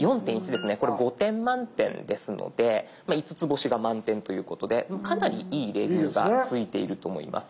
これ５点満点ですので５つ星が満点ということでかなり良いレビューがついていると思います。